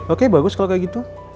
oke bagus kalau kayak gitu